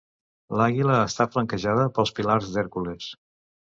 L'àguila està flanquejada pels pilars d'Hèrcules.